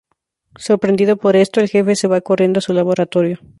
Sorprendido por esto, el jefe se va corriendo a su laboratorio.